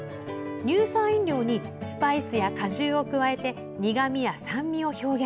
乳酸飲料にスパイスや果汁を加えて苦みや酸味を表現。